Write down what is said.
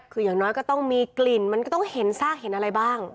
คืออย่างน้อยก็ต้องมีกลิ่นมันก็ต้องเห็นซากเห็นอะไรบ้าง